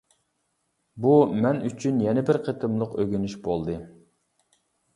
بۇ مەن ئۈچۈن يەنە بىر قېتىملىق ئۆگىنىش بولدى.